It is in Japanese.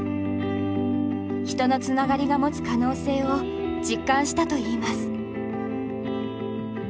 人のつながりが持つ可能性を実感したといいます。